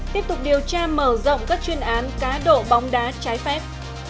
tiếp tục điều tra mở rộng các chuyên án cá độ bóng đá trái phép